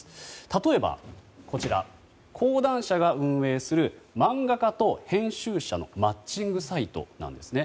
例えば、講談社が運営する漫画家と編集者のマッチングサイトなんです。